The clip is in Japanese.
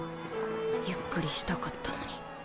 ゆっくりしたかったのに。